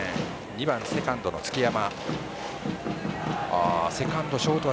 ２番セカンドの月山。